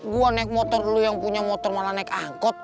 gue naik motor dulu yang punya motor malah naik angkot